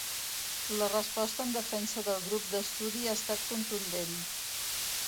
La resposta en defensa del grup d’estudi ha estat contundent.